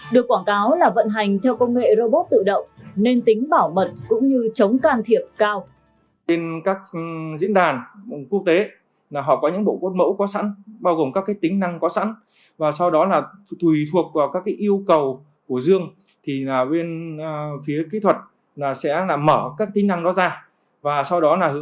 được quảng cáo là vận hành theo công nghệ robot tự động nên tính bảo mật cũng như chống can thiệp cao